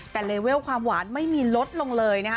แต่เลเวลความหวานไม่มีลดลงเลยนะคะ